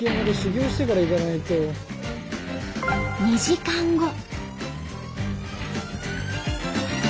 ２時間後。